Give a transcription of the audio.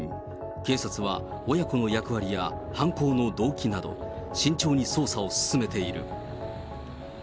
警察は親子の役割や犯行の動機など、慎重に捜査を進めている。